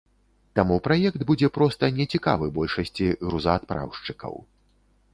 Таму праект будзе проста не цікавы большасці грузаадпраўшчыкаў.